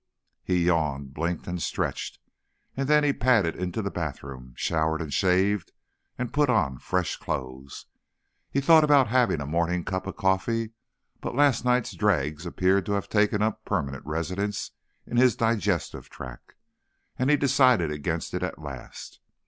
He yawned, blinked and stretched, and then he padded into the bathroom, showered and shaved and put on fresh clothes. He thought about having a morning cup of coffee, but last night's dregs appeared to have taken up permanent residence in his digestive tract, and he decided against it at last.